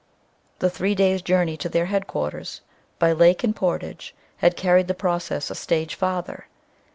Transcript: The three days' journey to their headquarters, by lake and portage, had carried the process a stage farther.